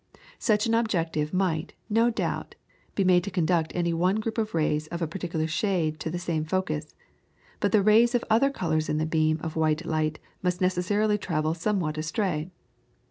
Such an objective might, no doubt, be made to conduct any one group of rays of a particular shade to the same focus, but the rays of other colours in the beam of white light must necessarily travel somewhat astray.